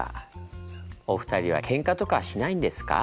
お二人はケンカとかしないんですか？」